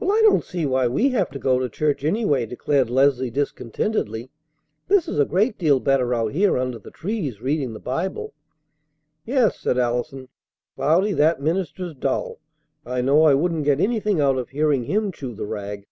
"Well, I don't see why we have to go to church, anyway," declared Leslie discontentedly. "This is a great deal better out here under the trees, reading the Bible." "Yes," said Allison. "Cloudy, that minister's dull. I know I wouldn't get anything out of hearing him chew the rag."